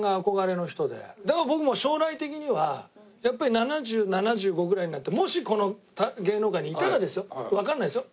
だから僕も将来的にはやっぱり７０７５ぐらいになってもしこの芸能界にいたらですよわかんないですよ？